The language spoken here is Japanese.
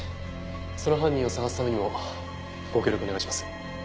その犯人を捜すためにもご協力お願いします。